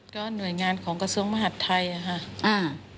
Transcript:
ก็หน่วยงานของกระทรวงมหาดไทยค่ะ